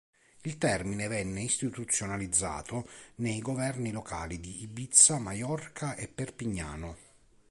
Il termine venne istituzionalizzato nei governi locali di Ibiza, Maiorca e Perpignano.